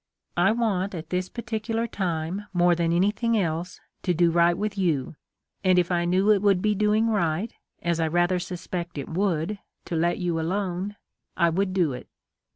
I want, at this particular time, more than anything else, to do right with you, and if I knew it would be doing right, as I rather suspect it would, to let you alone, I would do it.